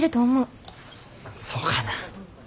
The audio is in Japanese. そうかな。